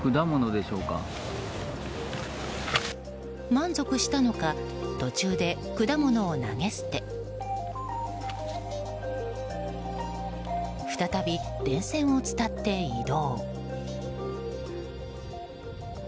満足したのか途中で果物を投げ捨て再び電線を伝って移動。